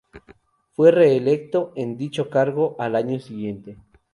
Fue reelecto en dicho cargo al año siguiente.